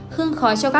hương khói cho các bạn